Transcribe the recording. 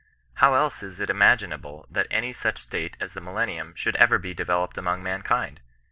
How else is it imaginable that any such state as the millen nium should ever be developed among mankind